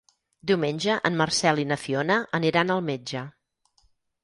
Diumenge en Marcel i na Fiona aniran al metge.